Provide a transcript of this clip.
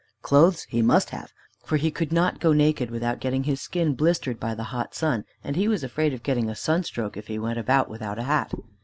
Clothes he must have, for he could not go naked without getting his skin blistered by the hot sun, and he was afraid of getting a sunstroke if he went about without a hat.